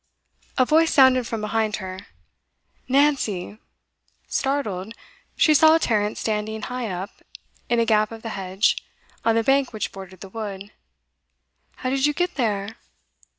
A voice sounded from behind her 'Nancy!' Startled, she saw Tarrant standing high up, in a gap of the hedge, on the bank which bordered the wood. 'How did you get there?